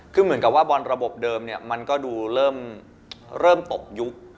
คือเหมือนกับว่าบอลระบบเดิมเนี่ยมันก็ดูเริ่มตกยุค